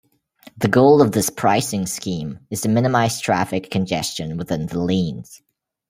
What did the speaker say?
The goal of this pricing scheme is to minimize traffic congestion within the lanes.